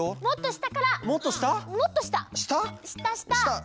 したした！